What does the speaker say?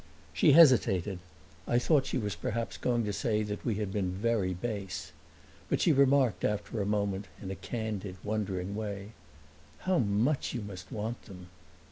She hesitated; I thought she was perhaps going to say that we had been very base. But she remarked after a moment, in a candid, wondering way, "How much you must want them!"